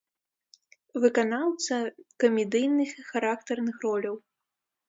Выканаўца камедыйных і характарных роляў.